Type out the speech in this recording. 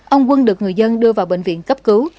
ông quân được người dân đưa vào bệnh viện cấp cứu